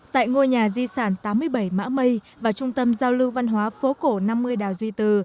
tại ngôi nhà di sản tám mươi bảy mã mây và trung tâm giao lưu văn hóa phố cổ năm mươi đào duy từ